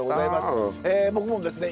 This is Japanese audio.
僕もですね